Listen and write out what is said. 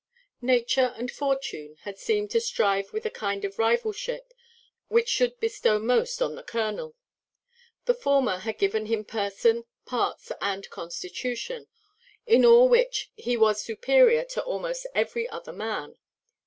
Nature and Fortune had seemed to strive with a kind of rivalship which should bestow most on the colonel. The former had given him person, parts, and constitution, in all which he was superior to almost every other man.